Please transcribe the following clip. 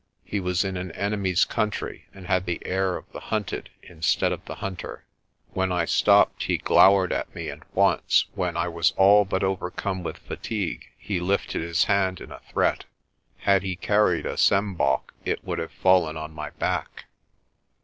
He was in an enemy's country and had the air of the hunted instead of the hunter. When I stopped he glowered at me and once, when I was all but overcome with fatigue, he lifted his hand in a threat. Had he carried a sjambok, it would have fallen on my back.